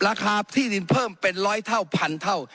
ราคาที่ดินเพิ่มเป็น๑๐๐เท่าพันเท่า